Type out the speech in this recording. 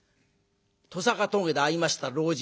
鳥坂峠で会いました老人。